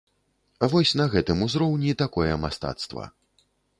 Вось на гэтым узроўні такое мастацтва.